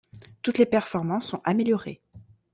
Toutes les performances sont améliorées.